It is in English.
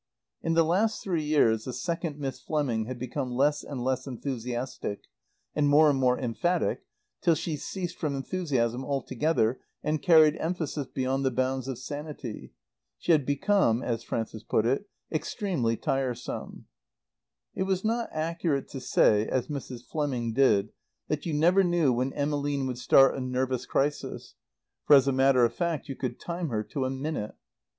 In the last three years the second Miss Fleming had become less and less enthusiastic, and more and more emphatic, till she ceased from enthusiasm altogether and carried emphasis beyond the bounds of sanity. She had become, as Frances put it, extremely tiresome. It was not accurate to say, as Mrs. Fleming did, that you never knew when Emmeline would start a nervous crisis; for as a matter of fact you could time her to a minute.